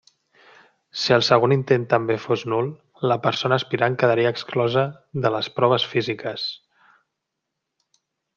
Si el segon intent també fos nul, la persona aspirant quedaria exclosa de les proves físiques.